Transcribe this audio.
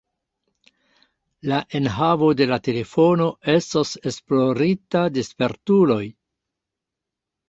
La enhavo de la telefono estos esplorita de spertuloj.